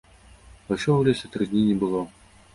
Пайшоў у лес, і тры дні не было.